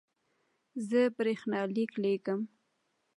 زه برېښنالیک لیږم